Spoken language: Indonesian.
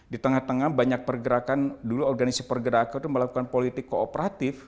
di tengah tengah banyak pergerakan dulu organisasi pergerakan itu melakukan politik kooperatif